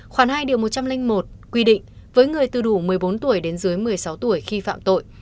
khoảng hai điều một trăm linh một quy định với người từ đủ một mươi bốn tuổi đến dưới một mươi sáu tuổi khi phạm tội